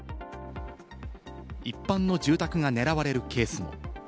一般の住宅が狙われるケースも。